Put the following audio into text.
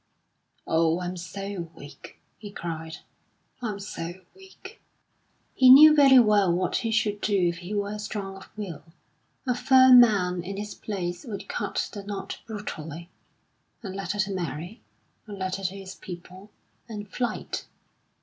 "Oh, I'm so weak," he cried; "I'm so weak!" He knew very well what he should do if he were strong of will. A firm man in his place would cut the knot brutally a letter to Mary, a letter to his people, and flight.